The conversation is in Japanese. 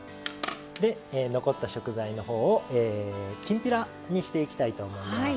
残った食材のほうをきんぴらにしていきたいと思います。